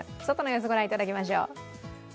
外の様子御覧いただきましょう。